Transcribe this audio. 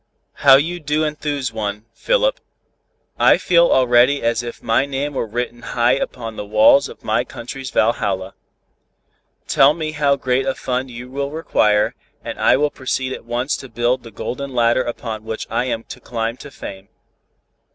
"How you do enthuse one, Philip. I feel already as if my name were written high upon the walls of my country's Valhalla. Tell me how great a fund you will require, and I will proceed at once to build the golden ladder upon which I am to climb to fame."